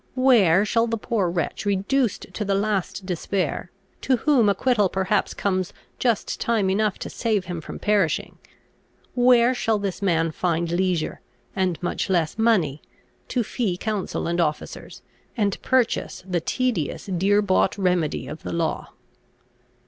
Where shall the poor wretch reduced to the last despair, to whom acquittal perhaps comes just time enough to save him from perishing, where shall this man find leisure, and much less money, to fee counsel and officers, and purchase the tedious dear bought remedy of the law?